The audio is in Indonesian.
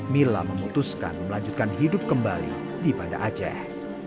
mila memutuskan melanjutkan hidup kembali di banda aceh